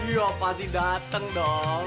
iya pasti dateng dong